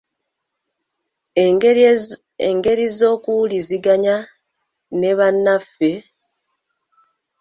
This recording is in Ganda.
engeri z’okuwuliziganya ne bannaffe.